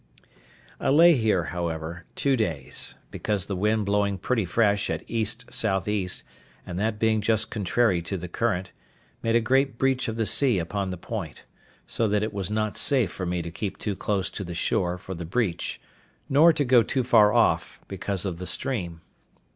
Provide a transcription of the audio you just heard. I lay here, however, two days, because the wind blowing pretty fresh at ESE., and that being just contrary to the current, made a great breach of the sea upon the point: so that it was not safe for me to keep too close to the shore for the breach, nor to go too far off, because of the stream.